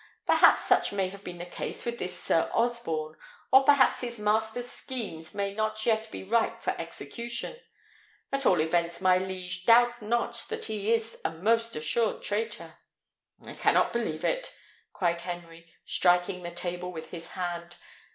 Perhaps such may have been the case with this Sir Osborne, or perhaps his master's schemes may not yet be ripe for execution: at all events, my liege, doubt not that he is a most assured traitor." "I cannot believe it!" cried Henry, striking the table with his hand.